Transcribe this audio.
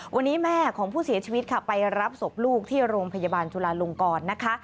วันนี้แม่ของผู้เสียชีวิตค่ะไปรับศพลูกที่โรงพยาบาลจุลาลงกรนะคะ